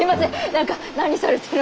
何か何されてる。